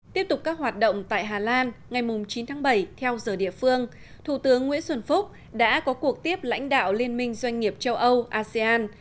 tiếp tục các hoạt động tại hà lan ngày chín tháng bảy theo giờ địa phương thủ tướng nguyễn xuân phúc đã có cuộc tiếp lãnh đạo liên minh doanh nghiệp châu âu asean